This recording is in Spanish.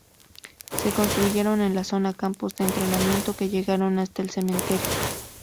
Se construyeron en la zona campos de entrenamiento que llegaron hasta el cementerio.